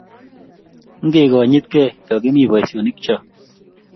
Ngegonyitge yo Kimi boisionikcho